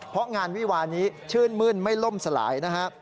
เพราะงานวิวานี้ชื่นมื้นไม่ล่มสลายนะฮะ